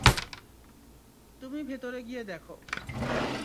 তুমি ভেতরে গিয়ে দেখো।